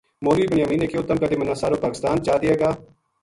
مولوی بنیامین نے کہیو تم کَدے مَنا سارو پاکستان چا دیئے گا